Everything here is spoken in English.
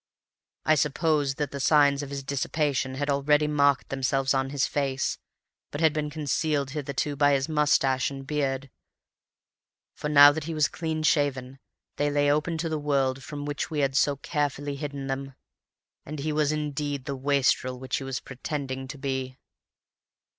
I suppose that the signs of his dissipation had already marked themselves on his face, but had been concealed hitherto by his moustache and beard; for now that he was clean shaven they lay open to the world from which we had so carefully hidden them, and he was indeed the wastrel which he was pretending to be.